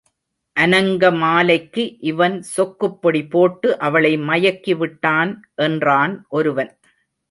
அநங்கமாலைக்கு இவன் சொக்குப் பொடி போட்டு அவளை மயக்கிவிட்டான் என்றான் ஒருவன்.